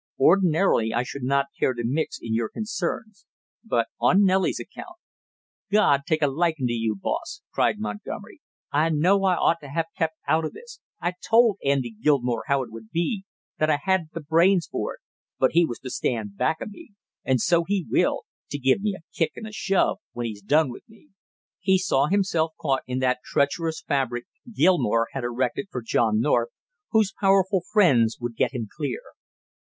Ordinarily I should not care to mix in your concerns, but on Nellie's account " "God take a likin' to you, boss!" cried Montgomery. "I know I ought to have kept out of this. I told Andy Gilmore how it would be, that I hadn't the brains for it; but he was to stand back of me. And so he will to give me a kick and a shove when he's done with me!" He saw himself caught in that treacherous fabric Gilmore had erected for John North, whose powerful friends would get him clear.